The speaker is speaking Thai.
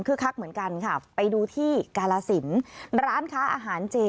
คือคักเหมือนกันค่ะไปดูที่กาลสินร้านค้าอาหารเจ